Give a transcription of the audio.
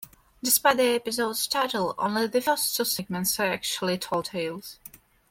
Despite the episode's title, only the first two segments are actually tall tales.